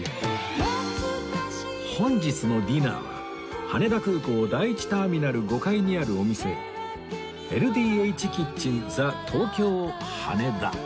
本日のディナーは羽田空港第１ターミナル５階にあるお店 ＬＤＨｋｉｔｃｈｅｎＴＨＥＴＯＫＹＯＨＡＮＥＤＡ